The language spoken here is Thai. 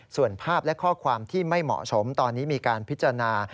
ส่วนภาพและข้อความที่ไม่เหมาะสมตอนนี้มีการพิจารณา